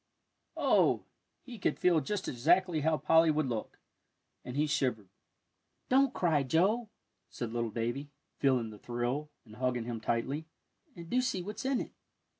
Oh, he could feel just exactly how Polly would look, and he shivered. "Don't cry, Joe," said little Davie, feeling the thrill, and hugging him tightly; "and do see what's in it."